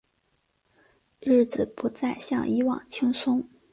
日子不再像以往轻松